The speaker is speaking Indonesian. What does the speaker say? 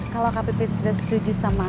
kalau kak pipit sudah setuju sama kamar